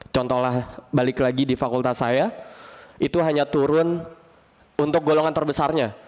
contohlah balik lagi di fakultas saya itu hanya turun untuk golongan terbesarnya